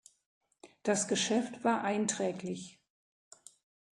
Das Geschäft war einträglich.